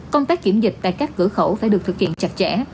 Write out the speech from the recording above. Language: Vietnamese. công tác kiểm dịch tại các cửa khẩu phải được thực hiện chặt chẽ